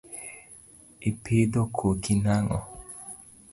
Ipidho koki nang’o?